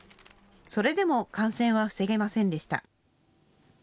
それでも感染は防げませんでした。